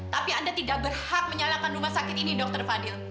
tapi anda tidak berhak menyalakan rumah sakit ini dokter fadil